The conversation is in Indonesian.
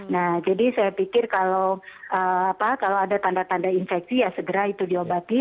nah jadi saya pikir kalau ada tanda tanda infeksi ya segera itu diobati